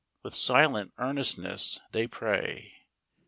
With silent earnestness they pray.